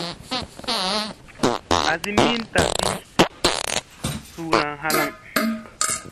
Asi min tasi su suuna halaŋ.